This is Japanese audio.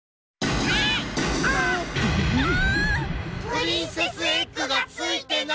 プリンセスエッグがついてない。